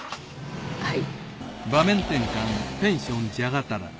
はい。